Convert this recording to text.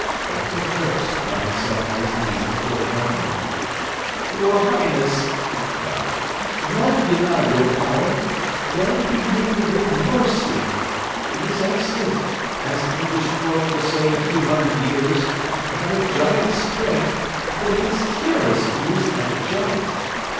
Walter Fürst flung himself on his knees before the Governor. "Your Highness," he cried, "none deny your power. Let it be mingled with mercy. It is excellent, as an English poet will say in a few hundred years, to have a giant's strength, but it is tyrannous to use it like a giant.